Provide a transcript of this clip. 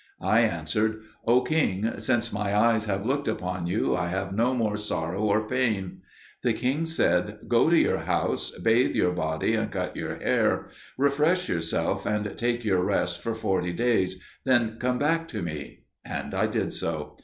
I answered, "O king, since mine eyes have looked upon you I have no more sorrow or pain." The king said, "Go to your house, bathe your body, and cut your hair; refresh yourself and take your rest for forty days; then come back to me." And I did so.